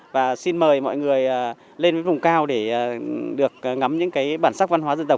và xin mời mọi người lên với vùng cao để được ngắm những cái bản sắc văn hóa dân tộc